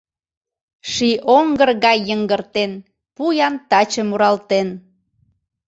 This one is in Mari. Ший оҥгыр гай йыҥгыртен, Пу-ян таче муралтен.